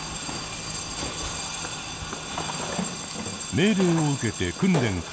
命令を受けて訓練開始。